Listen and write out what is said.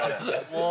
もう。